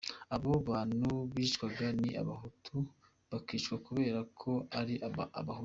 Abo bantu bicwaga, ni Abahutu, bakicwa kubera ko ari Abahutu.